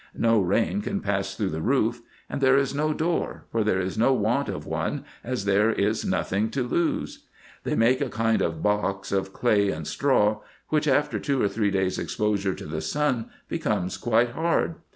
No rain can pass through the roof; and there is no door, for there is no want of one, as there is nothing to lose. They make a kind of box of clay and straw, which, after two or three days' exposure to the sun, becomes quite hard.